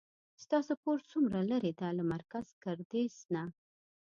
ستاسو کور څومره لری ده له مرکز ګردیز نه